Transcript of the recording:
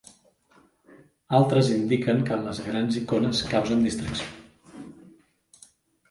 Altres indiquen que les grans icones causen distracció.